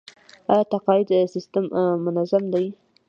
آیا تقاعد سیستم منظم دی؟